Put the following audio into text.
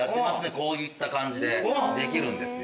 こういった感じでできるんですよ。